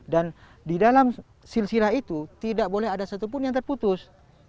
dan di dalam silsila itu tidak boleh ada satupun yang terputus